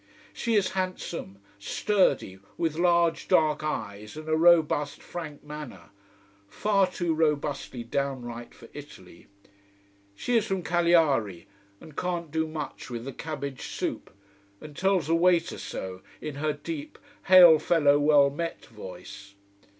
She is handsome, sturdy, with large dark eyes and a robust, frank manner: far too robustly downright for Italy. She is from Cagliari and can't do much with the cabbage soup: and tells the waiter so, in her deep, hail fellow well met voice.